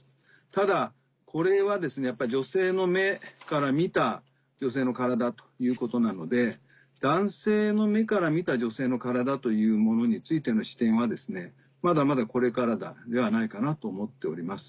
ただこれはですねやっぱ女性の目から見た女性の体ということなので男性の目から見た女性の体というものについての視点はまだまだこれからではないかなと思っております。